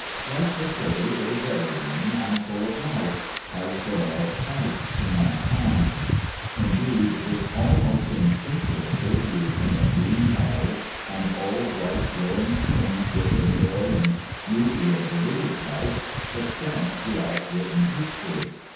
Like the fir, it is ever green and full of life as the love of Christ to mankind. Indeed this almost instinctive association of green boughs and all bright, growing things with the joy and beauty of religious life, extends throughout written history.